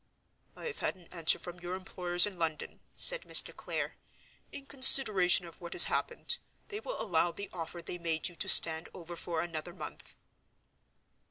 "I have had an answer from your employers in London," said Mr. Clare. "In consideration of what has happened, they will allow the offer they made you to stand over for another month."